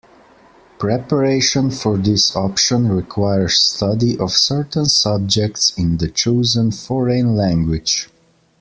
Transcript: Preparation for this option requires study of certain subjects in the chosen foreign language.